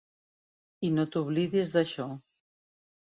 I no t'oblidis d'això.